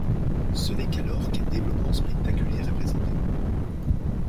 Ce n'est qu'alors qu'un développement spectaculaire est présenté.